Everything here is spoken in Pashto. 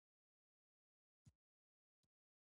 د غنمو خاوند د تولید وخت سنجوي.